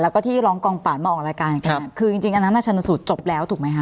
แล้วก็ที่ร้องกองป่านมาออกรายการกันคือจริงจริงอันนั้นชนสูตรจบแล้วถูกไหมคะ